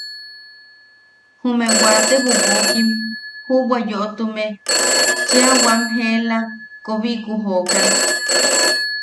Jume wate bobokim juʼubwa yoʼotume cheʼa wam ela, koobiku jookan.